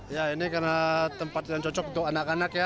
ya ini karena tempat yang cocok untuk anak anak ya